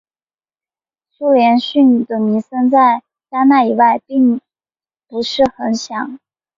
苏连逊的名声在丹麦以外并不是十分响。